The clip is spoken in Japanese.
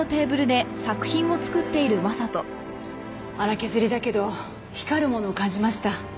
粗削りだけど光るものを感じました。